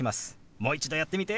もう一度やってみて！